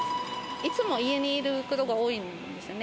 いつも家にいることが多いんですよね。